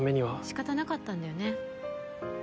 仕方なかったんだよね。